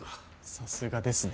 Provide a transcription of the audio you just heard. さすがですね。